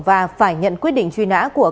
và phải nhận quyết định truy nã của